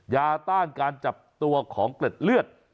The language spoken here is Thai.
ต้านการจับตัวของเกล็ดเลือด